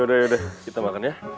udah yaudah kita makan ya